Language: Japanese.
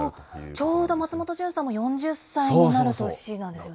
ちょうど松本潤さんも４０歳になる年なんですよね。